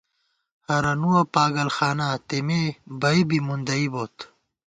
ہرَنُوَہ پاگل خانا تېمے بئ بی مُندَئی بوت